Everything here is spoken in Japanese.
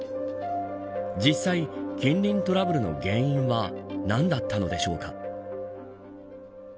実際、近隣トラブルの原因は何だったのでしょうか。